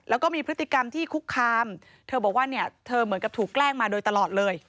แล้วก็มีพฤติกรรมที่คุกคามเธอบอกว่าเนี่ยเธอเหมือนกับถูกแกล้งมาโดยตลอดเลย